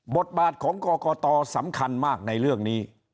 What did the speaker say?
บทบาทของกรกตสำคัญมากในเรื่องนี้